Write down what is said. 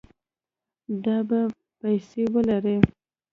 دا به پیسې ولري